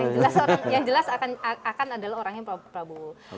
yang jelas akan adalah orangnya pak prabowo